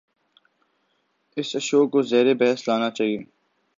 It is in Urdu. اس ایشو کو زیربحث لانا چاہیے۔